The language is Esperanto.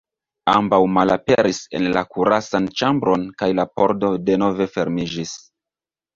Ambaŭ malaperis en la kursan ĉambron kaj la pordo denove fermiĝis.